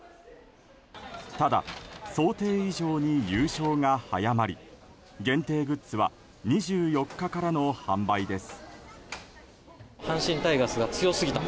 ただ、想定以上に優勝が早まり限定グッズは２４日からの販売です。